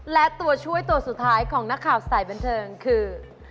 และตัวช่วยตัวสุดท้ายของนักข่าวสายบันเทิงคือ